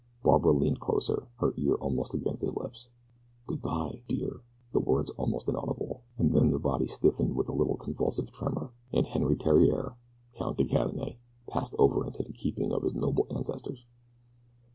Barbara leaned closer, her ear almost against his lips. "Good bye dear." The words were almost inaudible, and then the body stiffened with a little convulsive tremor, and Henri Theriere, Count de Cadenet, passed over into the keeping of his noble ancestors.